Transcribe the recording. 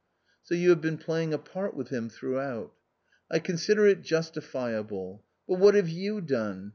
" So you have been playing a part with him throughout !"* I consider it justifiable. But what have you done?